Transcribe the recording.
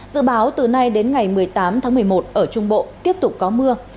dự báo từ nay đến ngày một mươi tám tháng một mươi một ở trung bộ tiếp tục có mưa